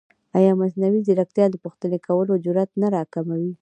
ایا مصنوعي ځیرکتیا د پوښتنې کولو جرئت نه راکموي؟